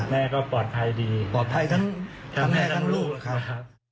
แม่ก็ปลอดภัยดีปลอดภัยทั้งแม่ทั้งลูกครับ